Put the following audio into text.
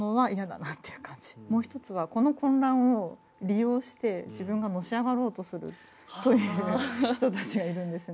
もう一つはこの混乱を利用して自分がのし上がろうとするという人たちがいるんですね。